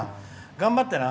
頑張ってな。